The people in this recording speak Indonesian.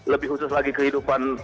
lebih khusus lagi kehidupan